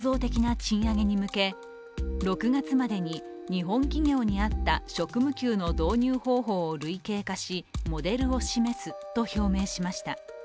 この他、構造的な賃上げに向け６月までに日本企業にあった職務給の導入方法を類型化しモデルを示すと表明しました。